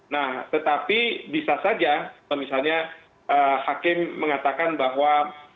nah tetapi bisa saja misalnya hakim mengatakan bahwa